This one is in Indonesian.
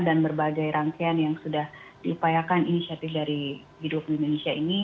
dan berbagai rangkaian yang sudah diupayakan inisiatif dari g dua puluh indonesia ini